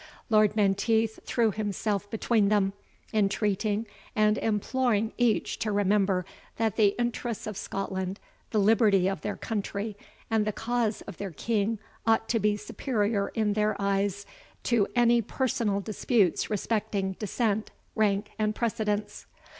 Lord Menteith threw himself between them, entreating and imploring each to remember that the interests of Scotland, the liberty of their country, and the cause of their King, ought to be superior in their eyes to any personal disputes respecting descent, rank, and precedence.